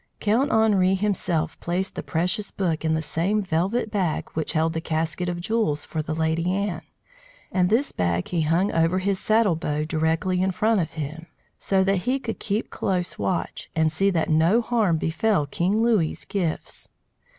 Count Henri himself placed the precious book in the same velvet bag which held the casket of jewels for the Lady Anne, and this bag he hung over his saddle bow directly in front of him, so that he could keep close watch and see that no harm befell King Louis's gifts.